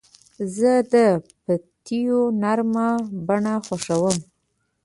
زه د پټیو نرمه بڼه خوښوم.